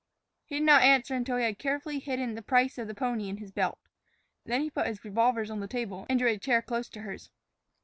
He did not answer until he had carefully hidden the price of the pony in his belt. Then he put his revolvers on the table and drew a chair close to hers.